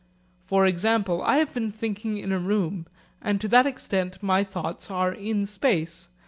For example, I have been thinking in a room, and to that extent my thoughts are in space.